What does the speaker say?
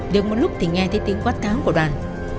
được một lúc thì nghe thấy tiếng quát tháng của đoàn